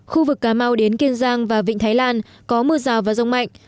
khu vực cà mau đến kiên giang và vịnh thái lan có mưa rào và rông mạnh